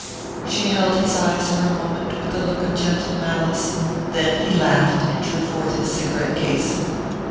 She held his eyes for a moment with a look of gentle malice; then he laughed, and drew forth his cigarette case.